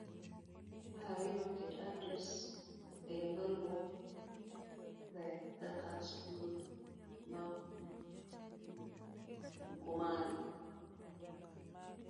Mar ariyo, ket adres e yo maluwore, kaka: Skul mar Mkomani: